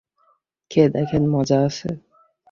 খেয়ে দেখেন মজা আছে।